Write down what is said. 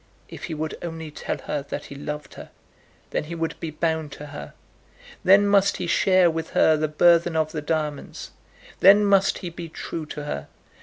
If he would only tell her that he loved her, then he would be bound to her, then must he share with her the burthen of the diamonds, then must he be true to her.